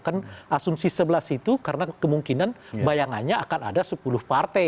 kan asumsi sebelas itu karena kemungkinan bayangannya akan ada sepuluh partai